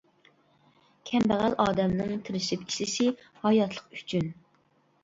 كەمبەغەل ئادەمنىڭ تىرىشىپ ئىشلىشى ھاياتلىق ئۈچۈن.